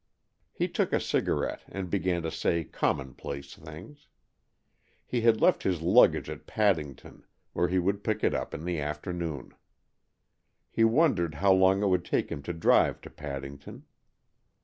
He took a cigarette and began to say commonplace things. He had left his luggage at Paddington, where he would pick it up in the afternoon. He wondered how long it would take him to drive to Padding ton.